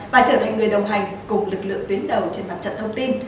hãy để lại bình luận và trở thành người đồng hành cùng lực lượng tuyến đầu trên mặt trận thông tin